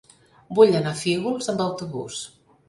Vull anar a Fígols amb autobús.